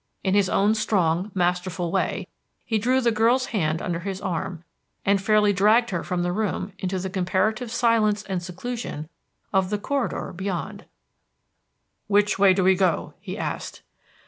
In his own strong, masterful way, he drew the girl's hand under his arm, and fairly dragged her from the room into the comparative silence and seclusion of the corridor beyond. "Which way do we go?" he asked.